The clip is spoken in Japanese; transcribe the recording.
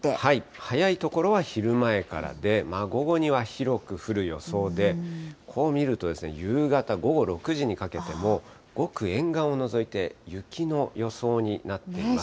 早い所は昼前からで、午後には広く降る予想で、こう見ると、夕方午後６時にかけても、ごく沿岸を除いて雪の予想になっています。